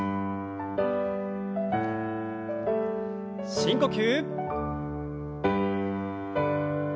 深呼吸。